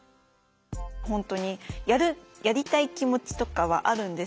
本当にやりたい気持ちとかはあるんですけど